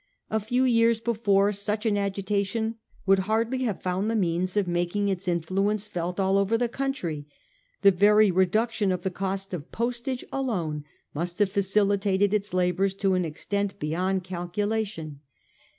A few years before such an agitation would hardly have found the means of making its influence felt all over the country. The very reduction of the cost of postage alone must have facilitated its labours, to an extent beyond calculation. 1888.